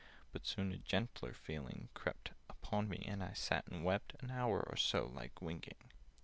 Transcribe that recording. But soon a gentler feeling crept Upon me, and I sat and wept An hour or so, like winking.